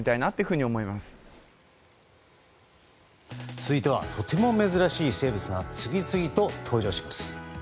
続いてはとても珍しい生物が次々と登場します。